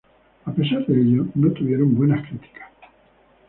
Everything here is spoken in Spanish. A pesar de ello, no tuvieron buenas críticas.